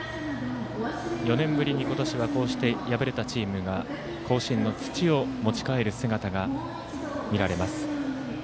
４年ぶりに今年はこうして敗れたチームが甲子園の土を持ち帰る姿が見られます。